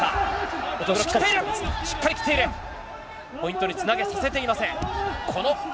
ポイントにつなげさせていません。